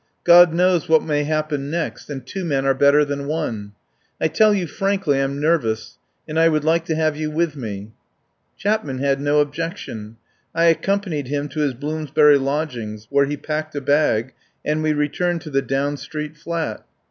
God knows what may happen next, and two men are better than one. I tell you frankly, I'm nervous, and I would like to have you with me." Chapman had no objection. I accompa nied him to his Bloomsbury lodgings, where he packed a bag, and we returned to the Down Street flat.